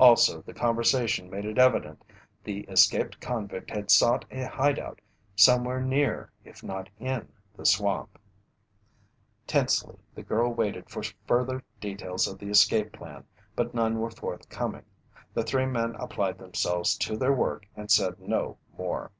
Also, the conversation made it evident the escaped convict had sought a hideout somewhere near if not in the swamp. Tensely, the girl waited for further details of the escape plan, but none were forthcoming. The three men applied themselves to their work and said no more.